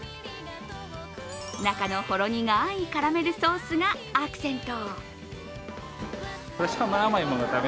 中のほろ苦いカラメルソースがアクセント。